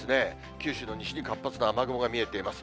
九州の西に活発な雨雲が見えています。